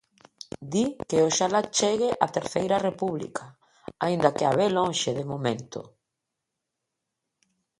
Di que "oxalá" chegue a Terceira República, aínda que a ve lonxe de momento.